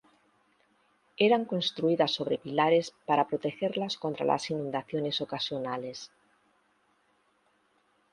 Eran construidas sobre pilares para protegerlas contra las inundaciones ocasionales.